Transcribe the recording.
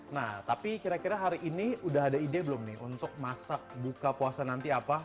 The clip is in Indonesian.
nah tapi kira kira hari ini udah ada ide belum nih untuk masak buka puasa nanti apa